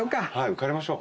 浮かれましょう。